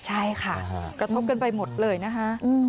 ใช่ค่ะกระทบกันไปหมดเลยนะคะ